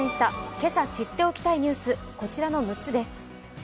今朝知っておきたいニュース、こちらの６つです。